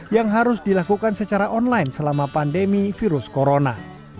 yang harus dilakukan secara online selama pandemi virus corona